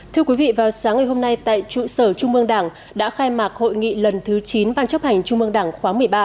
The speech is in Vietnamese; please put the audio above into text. thưa quý vị vào sáng ngày hôm nay tại trụ sở trung mương đảng đã khai mạc hội nghị lần thứ chín ban chấp hành trung mương đảng khóa một mươi ba